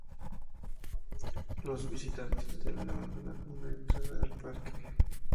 Los visitantes deben abonar una entrada al Parque.